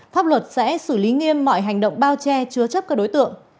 pháp luật sẽ xử lý nghiêm mọi hành động bao che chứa chấp các đối tượng